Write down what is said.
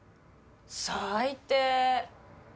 最低。